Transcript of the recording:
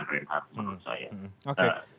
krim hati menurut saya oke